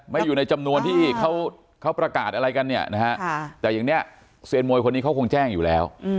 อยู่ในจำนวนที่เขาประกาศอะไรกันเนี่ยนะฮะแต่อย่างนี้เซียนมวยคนนี้เขาคงแจ้งอยู่แล้ว